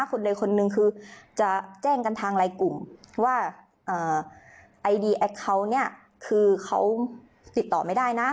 คนใดคนหนึ่งคือจะแจ้งกันทางไลน์กลุ่มว่าไอดีแอคเคาน์เนี่ยคือเขาติดต่อไม่ได้นะ